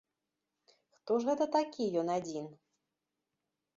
Хто ж гэта такі ён адзін?!